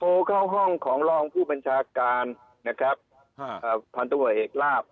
โทรเข้าห้องของร่องผู้บัญชาการนะครับฮ่าฮ่าความต้องการเหตุลาภ